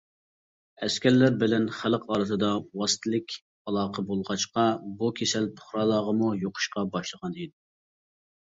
ئەسكەرلەر بىلەن خەلق ئارىسىدا ۋاسىتىلىك ئالاقە بولغاچقا بۇ كېسەل پۇقرالارغىمۇ يۇقۇشقا باشلىغان ئىدى.